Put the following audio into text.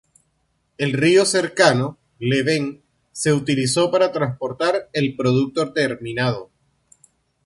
El río cercano, Leven, se utilizó para transportar el producto terminado.